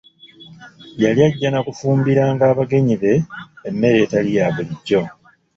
Yali ajja na kufumbiranga abagenyi be emmere etali ya bulijjo.